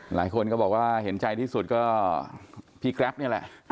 หลายคนก็บอกว่าเห็นใจที่สุดก็พี่แกรปนี่แหละ